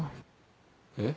えっ？